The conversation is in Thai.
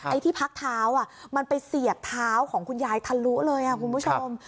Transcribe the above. ที่พักเท้ามันไปเสียบเท้าของคุณยายทะลุเลยคุณผู้ชม